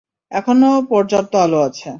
এখনো পর্যাপ্ত আলো আছে।